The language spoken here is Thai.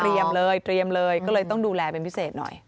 เลยเตรียมเลยก็เลยต้องดูแลเป็นพิเศษหน่อย